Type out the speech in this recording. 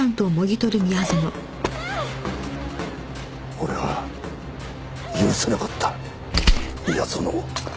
俺は許せなかった宮園を。